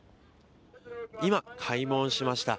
今、開門しました。